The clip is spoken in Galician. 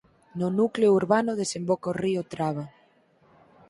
No núcleo urbano desemboca o río Traba.